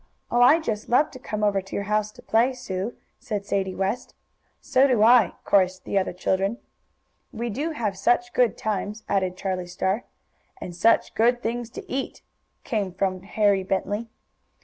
"Oh, I just love to come over to your house to play, Sue!" said Sadie West. "So do I!" chorused the other children. "We do have such good times!" added Charlie Star. "And such good things to eat," came from Harry Bentley.